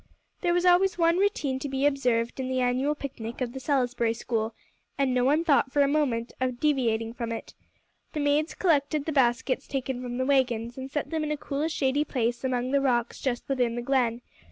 There was always one routine to be observed in the annual picnic of the "Salisbury School," and no one thought for a moment of deviating from it. The maids collected the baskets taken from the wagons, and set them in a cool, shady place among the rocks just within the Glen.